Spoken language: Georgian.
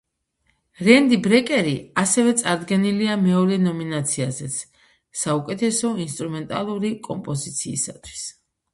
რენდი ბრეკერი ასევე წარდგენილია მეორე ნომინაციაზეც, საუკეთესო ინსტრუმენტალური კომპოზიციისთვის.